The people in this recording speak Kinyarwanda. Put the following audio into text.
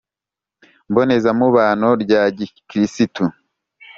mbonezamubano rya gikirisitu